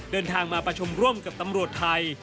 เดินทางมาประชุมร่วมกับตำรวจไทย